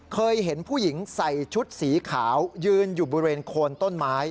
เคยเห็นผู้หญิงใส่ชุดสีขาวยืนอยู่บริเวณโคนต้นไม้